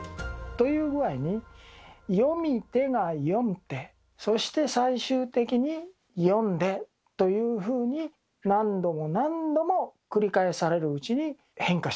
という具合に「読みて」が「読んて」そして最終的に「読んで」というふうに何度も何度も繰り返されるうちに変化してきた。